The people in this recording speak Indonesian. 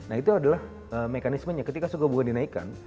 nah setelah mekanismenya ketika subuh subuh dinaikkan